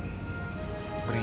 dan untuk memperoleh